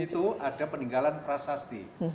di situ ada peninggalan prasasti